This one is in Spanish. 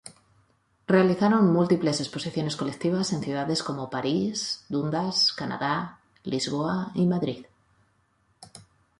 Realizaron múltiples exposiciones colectivas en ciudades como París, Dundas, Canadá, Lisboa y Madrid.